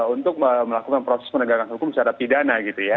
untuk melakukan proses penegakan hukum secara pidana gitu ya